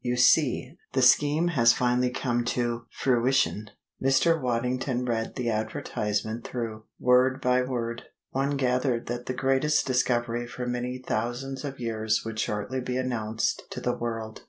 You see, the scheme has finally come to fruition." Mr. Waddington read the advertisement through, word by word. One gathered that the greatest discovery for many thousands of years would shortly be announced to the world.